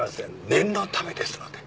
念のためですので。